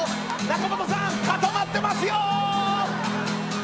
中本さん固まってますよ！